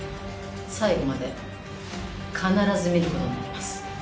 最後まで必ず見ることになります。